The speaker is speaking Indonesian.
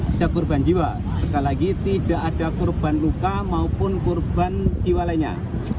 tidak korban jiwa sekali lagi tidak ada korban luka maupun korban jiwa lainnya